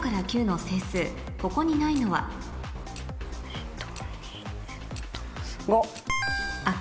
えっと。